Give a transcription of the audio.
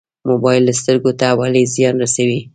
موبایل سترګو ته ولې زیان رسوي؟